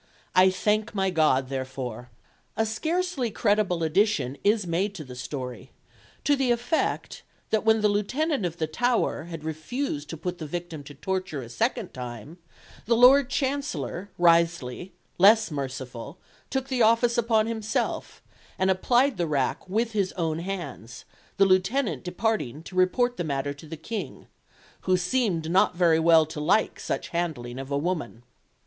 I thank my God therefore." A scarcely credible addition is made to the story, to the effect that when the Lieutenant of the Tower had refused to put the victim to the torture a second time, the Lord Chancellor, Wriothesley, less merciful, took the office upon himself, and applied the rack with his own hands, the Lieutenant departing to report the matter to the King, "who seemed not very well to like such handling of a woman."